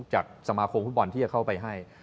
จากสมาคมฟุตบอลที่จะเข้าไปให้